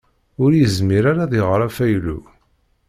Ur yezmir ara ad iɣer afaylu.